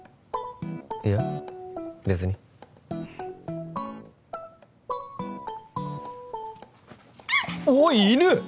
いや別においっ犬！